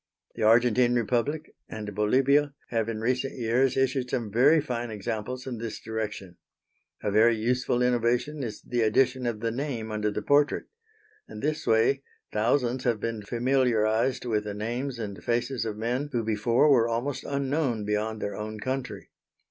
The Argentine Republic and Bolivia have in recent years issued some very fine examples in this direction. A very useful innovation is the addition of the name under the portrait. In this way thousands have been familiarised with the names and faces of men who before were almost unknown beyond their own country.